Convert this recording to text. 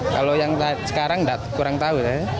kalau yang sekarang kurang tahu